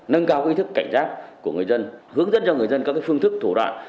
nâng cao ý thức cảnh giác của người dân hướng dẫn cho người dân các phương thức thủ đoạn